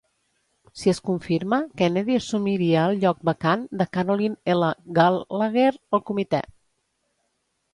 Si es confirma, Kennedy assumiria el lloc vacant de Carolyn L. Gallagher al comitè.